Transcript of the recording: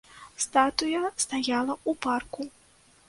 Статуя стаяла ў парку.